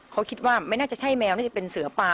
เขาคิดว่าไม่น่าจะใช่แมวน่าจะเป็นเสือปลา